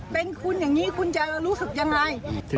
เป็นคุณอย่างนี้คุณจะรู้สึกยังไง